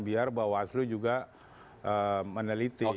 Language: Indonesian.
biar bawaslu juga meneliti